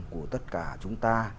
của tất cả chúng ta